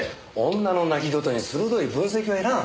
女の泣き言に鋭い分析はいらん。